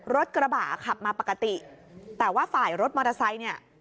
รถกระบะขับมาปกติแต่ว่าฝ่ายรถมอเตอร์ไซค์เนี่ย